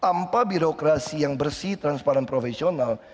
tanpa birokrasi yang bersih transparan profesional